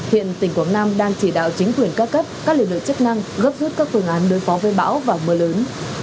hiện tỉnh quảng nam đang chỉ đạo chính quyền các cấp các lực lượng chức năng gấp rút các phương án đối phó với bão và mưa lớn